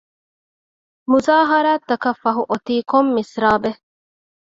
މުޒާހަރާތަކަށް ފަހު އޮތީ ކޮން މިސްރާބެއް؟